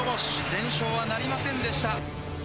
連勝はなりませんでした。